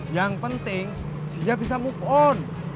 yang penting dia bisa move on